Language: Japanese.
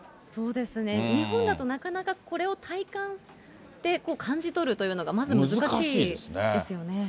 日本だとなかなかこれを体感で、感じ取るというのがまず難しいですよね。